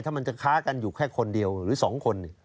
ถ้ามันจะค้ากันอยู่แค่คนเดียวหรือ๒คน